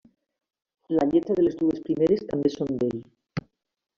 La lletra de les dues primeres també són d'ell.